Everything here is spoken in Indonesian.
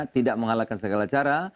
tidak menghalakan segala cara